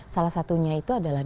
salah satunya itu adalah